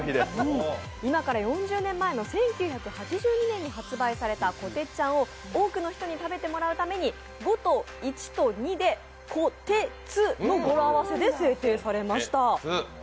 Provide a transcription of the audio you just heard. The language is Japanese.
今から４０年前の１９８２年に発売されたこてっちゃんを多くの人に食べてもらうために５と１と２で「こてつ」の語呂合わせで制定されました。